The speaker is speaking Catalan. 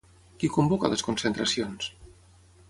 Qui convoca les concentracions?